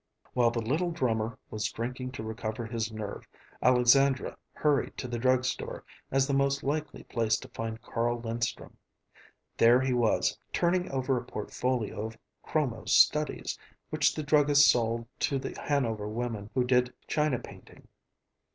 While the little drummer was drinking to recover his nerve, Alexandra hurried to the drug store as the most likely place to find Carl Linstrum. There he was, turning over a portfolio of chromo "studies" which the druggist sold to the Hanover women who did china painting.